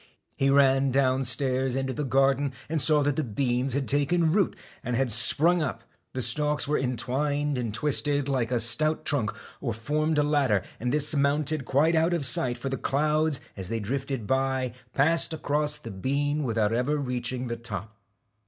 He ran down stairs into the garden, and saw that the beans had taken root, and had sprung up; the stalks were en twined and twisted like a stout trunk, or formed a ladder, and this mounted quite out of sight, for the clouds as they drifted by passed across the bean without reaching the top.